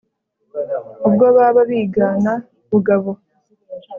“ ubwo baba bigana bugabo